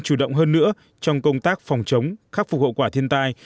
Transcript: chủ động hơn nữa trong công tác phòng chống khắc phục hậu quả thiên tai